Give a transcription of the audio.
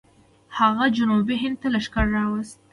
هغه جنوبي هند ته لښکر واستوه.